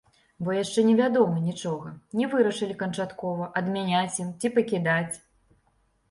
Бо яшчэ невядома нічога, не вырашылі канчаткова, адмяняць ім ці пакідаць.